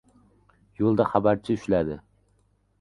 Yo‘lda xabarchi ushladi.